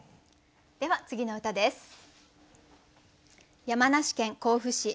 では次の歌です。